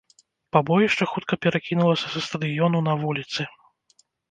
Пабоішча хутка перакінулася са стадыёну на вуліцы.